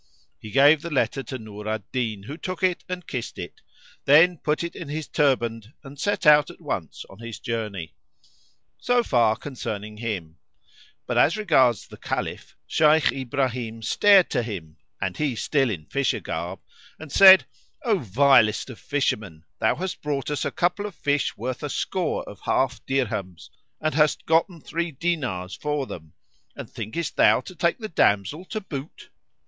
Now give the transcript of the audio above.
He gave the letter to Nur al Din, who took it and kissed it, then put it in his turband and set out at once on his journey. So far concerning him; but as regards the Caliph, Shaykh Ibrahim stared at him (and he still in fisher garb) and said, "O vilest of fishermen, thou hast brought us a couple of fish worth a score of half dirhams,[FN#63] and hast gotten three dinars for them; and thinkest thou to take the damsel to boot?"